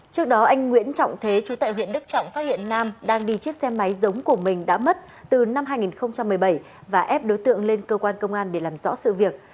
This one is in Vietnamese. trước đó anh nguyễn trọng thế chú tại huyện đức trọng phát hiện nam đang đi chiếc xe máy giống của mình đã mất từ năm hai nghìn một mươi bảy và ép đối tượng lên cơ quan công an để làm rõ sự việc